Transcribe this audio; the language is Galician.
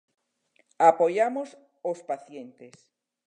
Apoiamos os pacientes.